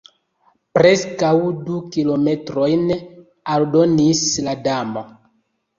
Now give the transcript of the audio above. "Preskaŭ du kilometrojn," aldonis la Damo.